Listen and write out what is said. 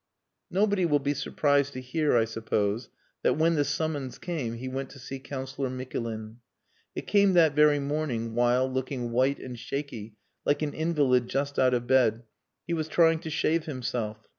Nobody will be surprised to hear, I suppose, that when the summons came he went to see Councillor Mikulin. It came that very morning, while, looking white and shaky, like an invalid just out of bed, he was trying to shave himself.